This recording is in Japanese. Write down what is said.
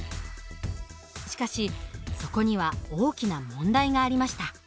しかしそこには大きな問題がありました。